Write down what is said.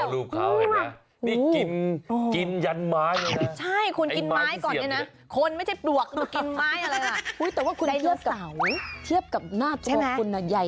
ใช่คุณกินไม้ก่อนเลยนะคนไม่ใช่ตวกแต่กินไม้อะไรแต่ว่าคุณเทียบกับหน้าตัวกคุณใหญ่